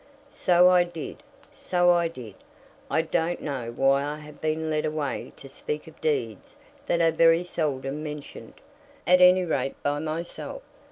"So I did. So I did. I don't know why I have been led away to speak of deeds that are very seldom mentioned, at any rate by myself.